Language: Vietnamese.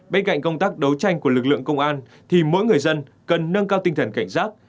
bên cạnh công tác đấu tranh của lực lượng công an thì mỗi người dân cần nâng cao tinh thần cảnh giác